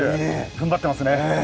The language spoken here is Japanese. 踏ん張ってますね。